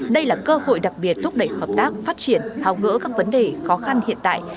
đây là cơ hội đặc biệt thúc đẩy hợp tác phát triển thao ngỡ các vấn đề khó khăn hiện tại